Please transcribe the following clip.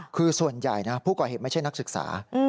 คือส่วนใหญ่นะผู้ก่อเหตุไม่ใช่นักศึกษา